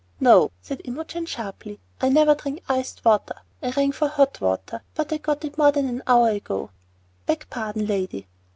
"No!" said Imogen sharply; "I never drink iced water. I rang for hot water, but I got it more than an hour ago." "Beg pardon, lady."